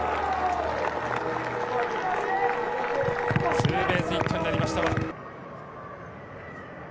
ツーベースヒットになりました。